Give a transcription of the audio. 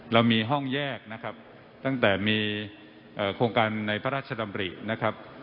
เรามีห้องแยกนะครับตั้งแต่มีโครงการในพระราชดำรินะครับ